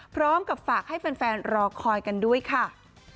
พร้อมกับฝากให้แฟนรอคอยกันด้วยค่ะ